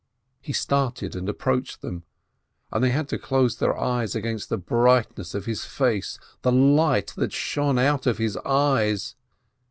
He started and approached them, and they had to close their eyes against the brightness of his face, the light that shone out of his eyes